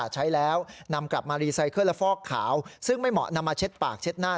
ใช้แล้วนำกลับมารีไซเคิลและฟอกขาวซึ่งไม่เหมาะนำมาเช็ดปากเช็ดหน้า